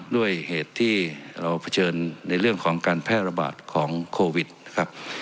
ด้วยเหตุที่เราเผชิญในเรื่องของการแพร่ระบาดของโควิดนะครับ